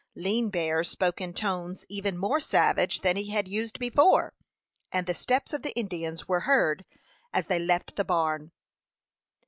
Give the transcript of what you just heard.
Lean Bear spoke in tones even more savage than he had used before, and the steps of the Indians were heard as they left the barn.